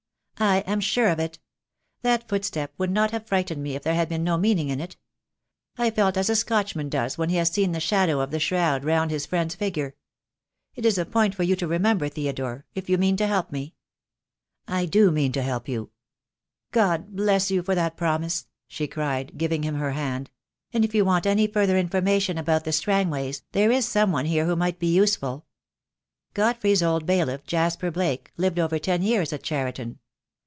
"I am sure of it. That footstep would not have frightened me if there had been no meaning in it. I felt as a Scotchman does when he has seen the shadow of the shroud round his friend's figure. It is a point for you to remember, Theodore; if you mean to help me." "I do mean to help you." "Good bless you for that promise," she cried, giving him her hand, "and if you want any further information about the Strangways there is some one here who may be useful. Godfrey's old bailiff, Jasper Blake, lived over ten years at Cheriton.